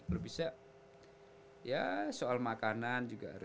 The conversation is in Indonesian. belum bisa ya soal makanan juga harus